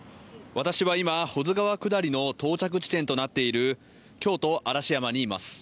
私は今、保津川下りの到着地点となっている京都・嵐山にいます。